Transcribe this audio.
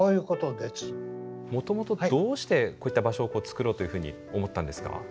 もともとどうしてこういった場所を作ろうというふうに思ったんですか？